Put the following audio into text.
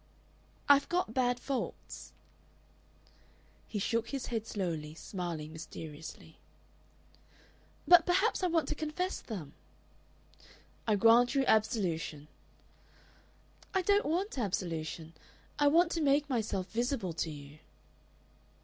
"I've got bad faults." He shook his head slowly, smiling mysteriously. "But perhaps I want to confess them." "I grant you absolution." "I don't want absolution. I want to make myself visible to you."